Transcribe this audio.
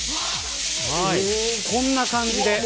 こんな感じで。